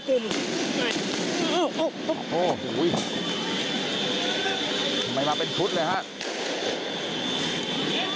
คุณภูริพัฒน์บุญนิน